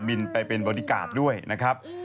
บินไปเป็นบริการ์ดด้วยนะครับ